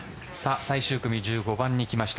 最終組、１５番に行きました。